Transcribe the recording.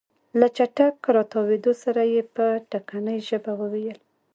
له چټک راتاوېدو سره يې په ټکنۍ ژبه وويل.